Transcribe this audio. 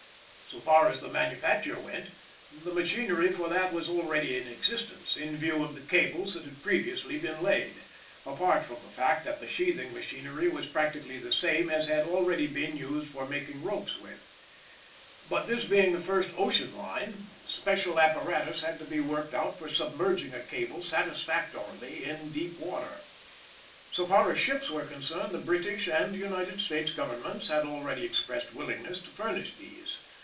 So far as the manufacture went, the machinery for that was already in existence, in view of the cables that had previously been laid apart from the fact that the sheathing machinery was practically the same as had already been used for making ropes with. But this being the first ocean line, special apparatus had to be worked out for submerging a cable satisfactorily in deep water. So far as ships were concerned, the British and United States Governments had already expressed willingness to furnish these.